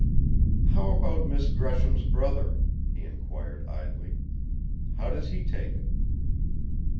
"How about Miss Gresham's brother?" he inquired idly. "How does he take it?"